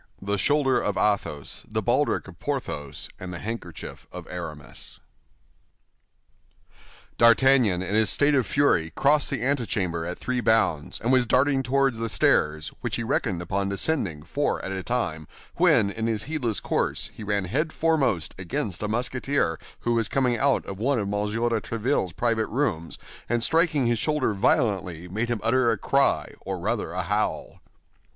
THE SHOULDER OF ATHOS, THE BALDRIC OF PORTHOS AND THE HANDKERCHIEF OF ARAMIS D'Artagnan, in a state of fury, crossed the antechamber at three bounds, and was darting toward the stairs, which he reckoned upon descending four at a time, when, in his heedless course, he ran head foremost against a Musketeer who was coming out of one of M. de Tréville's private rooms, and striking his shoulder violently, made him utter a cry, or rather a howl.